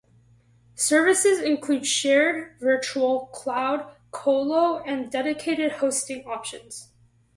Services include shared, virtual, cloud, CoLo and dedicated hosting options.